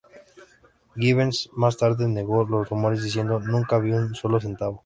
Givens, más tarde, negó los rumores diciendo "Nunca vi un solo centavo.